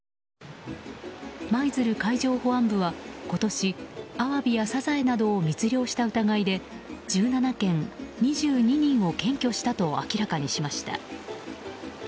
舞鶴海上保安部は今年、アワビやサザエなどを密漁した疑いで１７件、２２人を検挙したと明らかにしました。